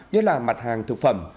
nhất là mặt hàng thực phẩm